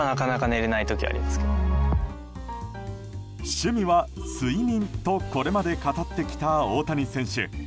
趣味は睡眠とこれまで語ってきた大谷選手。